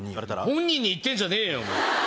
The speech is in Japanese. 本人に言ってんじゃねえよ！